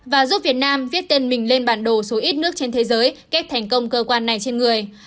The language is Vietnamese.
và giúp việt nam viết tên mình lên bản đồ số ít nước trên thế giới cách thành công cơ quan này trên người